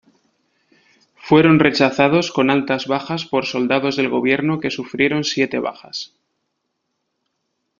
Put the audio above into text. Fueron rechazados con altas bajas por soldados del gobierno que sufrieron siete bajas.